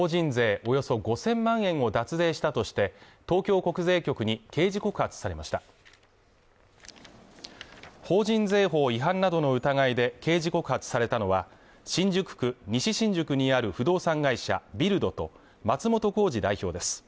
およそ５０００万円を脱税したとして東京国税局に刑事告発されました法人税法違反などの疑いで刑事告発されたのは新宿区西新宿にある不動産会社ビルドと松本幸二代表です